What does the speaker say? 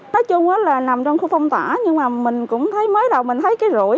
nói chung là nằm trong khu phong tỏa nhưng mà mình cũng thấy mới đầu mình thấy cái rỗi